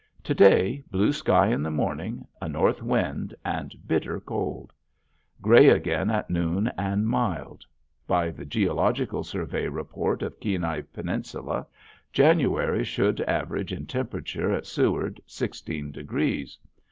To day blue sky in the morning, a north wind and bitter cold; gray again at noon and mild. By the geological survey report of Kenai Peninsular, January should average in temperature at Seward sixteen degrees.